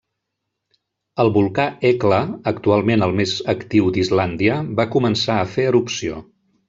El volcà Hekla, actualment el més actiu d'Islàndia, va començar a fer erupció.